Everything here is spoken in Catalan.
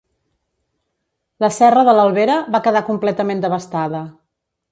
La serra de l'Albera va quedar completament devastada.